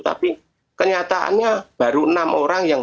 tapi kenyataannya baru enam orang yang